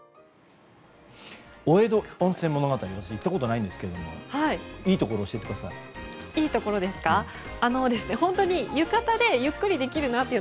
大江戸温泉物語には私、行ったことないんですがいいところ教えてください。